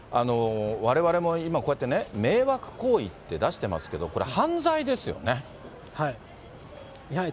われわれも今、こうやってね、迷惑行為って出してますけど、こはい。